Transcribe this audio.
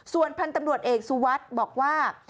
ส่วนพันธุ์ตำรวจเอกสุวัสดิ์บอกว่า